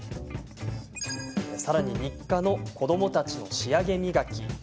さらに日課の子どもたちの仕上げ磨き。